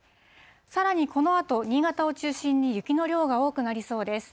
さらにこのあと、新潟を中心に雪の量が多くなりそうです。